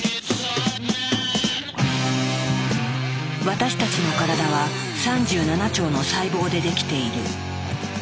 私たちのからだは３７兆の細胞でできている。